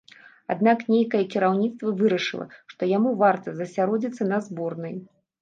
Аднак нейкае кіраўніцтва вырашыла, што яму варта засяродзіцца на зборнай.